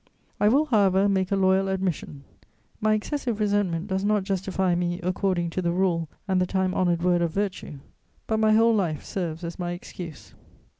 I will, however, make a loyal admission: my excessive resentment does not justify me according to the rule and the time honoured word of virtue; but my whole life serves as my excuse.